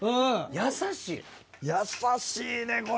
やさしいねこれ！